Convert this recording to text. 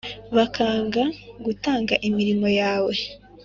bakanga gutanga imirimo yawe